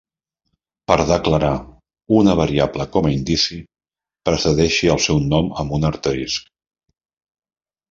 Per a declarar una variable com a indici, precedeixi el seu nom amb un asterisc.